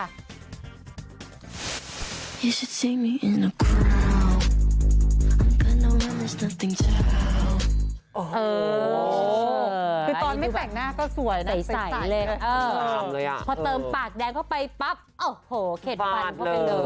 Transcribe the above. คือตอนไม่แต่งหน้าก็สวยนะพอเติมปากแดงเข้าไปปั๊บโอ้โหเข็ดฟันเข้าไปเลย